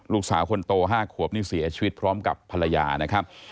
ลูกสาวคนโต๕ขวบนี่เสียชีวิตพร้อมกับภรรยานะครับ